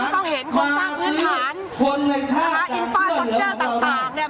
ต้องเห็นโครงสร้างพื้นฐานอินฟาซอสเจอร์ต่าง